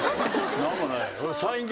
何もないよ。